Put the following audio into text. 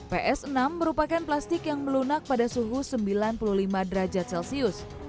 vs enam merupakan plastik yang melunak pada suhu sembilan puluh lima derajat celcius